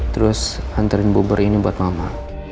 terus hantarin kubur ini buat mama